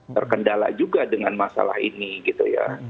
terkendala juga dengan masalah ini gitu ya